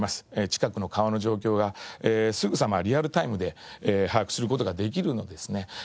近くの川の状況がすぐさまリアルタイムで把握する事ができるのでですね